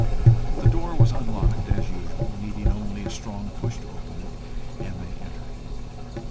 The door was unlocked as usual, needing only a strong push to open it, and they entered.